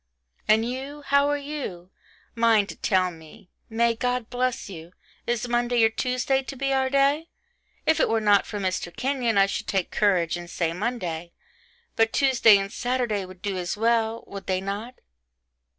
And you? how are you? Mind to tell me. May God bless you. Is Monday or Tuesday to be our day? If it were not for Mr. Kenyon I should take courage and say Monday but Tuesday and Saturday would do as well would they not?